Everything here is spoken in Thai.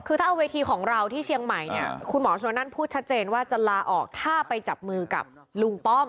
คือถ้าเอาเวทีของเราที่เชียงใหม่เนี่ยคุณหมอชนนั่นพูดชัดเจนว่าจะลาออกถ้าไปจับมือกับลุงป้อม